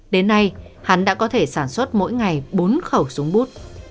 đến nay hắn đã có thể sản xuất mỗi ngày bốn khẩu súng bút